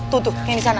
tuh tuh yang disana